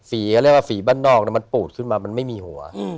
เรียกว่าฝีบ้านนอกมันปูดขึ้นมามันไม่มีหัว